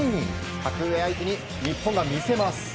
格上相手に日本が見せます。